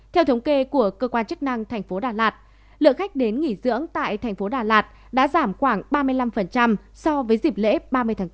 theo thống kê của cơ quan chức năng tp đà lạt lượng khách đến nghỉ dưỡng tại tp đà lạt đã giảm khoảng ba mươi năm so với dịp lễ ba mươi tháng bốn